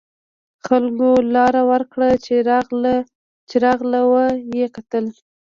خلکو لار ورکړه چې راغله و یې کتل.